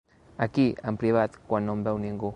Aquí, en privat, quan no em veu ningú.